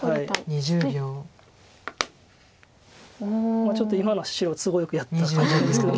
まあちょっと今のは白都合よくやった感じなんですけど。